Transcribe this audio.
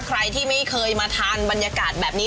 ใครที่ไม่เคยมาทานบรรยากาศแบบนี้